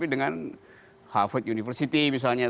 dengan harvard university misalnya